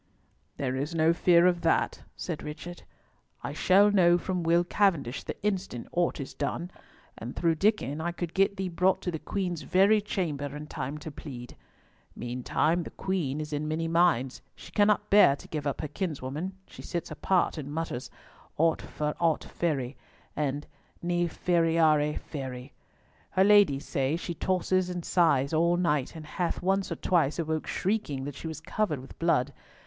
"There is no fear of that," said Richard; "I shall know from Will Cavendish the instant aught is done, and through Diccon I could get thee brought to the Queen's very chamber in time to plead. Meantime, the Queen is in many minds. She cannot bear to give up her kinswoman; she sits apart and mutters, 'Aut fer aut feri,' and 'Ne feriare feri.' Her ladies say she tosses and sighs all night, and hath once or twice awoke shrieking that she was covered with blood.